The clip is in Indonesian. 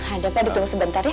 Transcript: ada pe didung sebentar ya